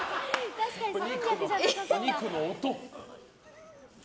お肉の音！